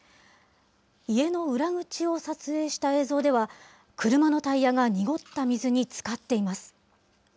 家の裏口を撮影した映像では、車のタイヤが濁った水につかっています。